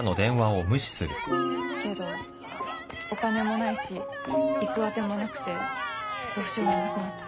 けどお金もないし行く当てもなくてどうしようもなくなって。